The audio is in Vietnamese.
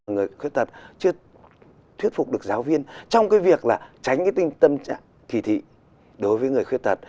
người khuyết tật chưa thuyết phục được giáo viên trong cái việc là tránh cái tâm trạng kỳ thị đối với người khuyết tật